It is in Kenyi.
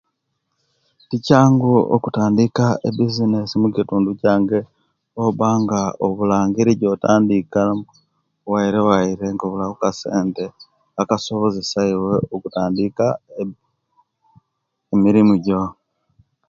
Tikyangu okutandika ebizinensi mukitundu kyange obwobanga obulangeri jotandikamu wairewaire owoba nga obulaku kasente akasobozesia iwe kutandika ebizinensi oba emilimo jo.